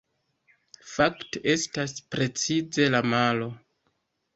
Fakte, estas precize la malo!